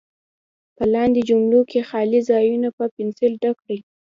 په لاندې جملو کې خالي ځایونه په پنسل ډک کړئ.